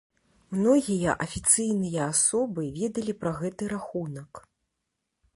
Многія афіцыйныя асобы ведалі пра гэты рахунак.